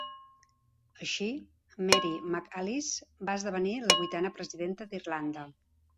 Així, Mary McAleese va esdevenir la vuitena presidenta d'Irlanda.